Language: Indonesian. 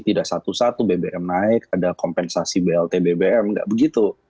tidak satu satu bbm naik ada kompensasi blt bbm nggak begitu